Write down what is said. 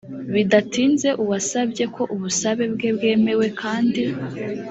bidatinze uwasabye ko ubusabe bwe bwemewe kandi